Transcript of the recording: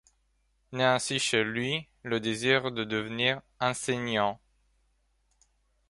Né ainsi chez lui le désir de devenir enseignant.